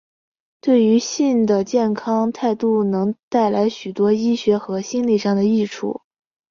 对于性的健康态度能带来许多医学和心里上的益处。